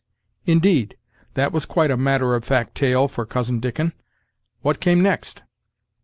"Indeed! that was quite a matter of fact tale for Cousin Dickon. What came next?"